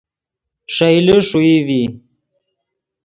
ݰئیلے ݰوئی ڤی